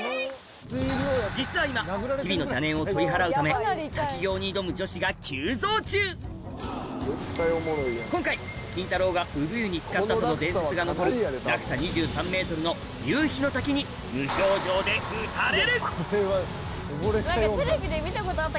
実は今日々の邪念を取り払うため滝行に挑む女子が急増中今回金太郎が産湯につかったとの伝説が残る落差２３ｍの「夕日の滝」にんですよね？